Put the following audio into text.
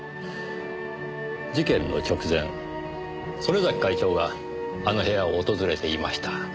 事件の直前曾根崎会長があの部屋を訪れていました。